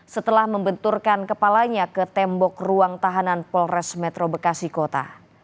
setelah membenturkan kepalanya ke tembok ruang tahanan polres metro bekasi kota